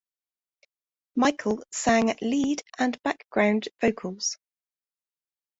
Michael sang lead and background vocals.